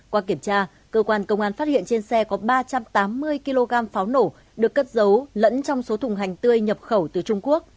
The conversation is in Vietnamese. qua kiểm tra cơ quan công an phát hiện trên xe có ba trăm tám mươi kg pháo nổ được cất giấu lẫn trong số thùng hành tươi nhập khẩu từ trung quốc